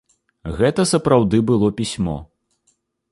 Гэта сапраўды было пісьмо.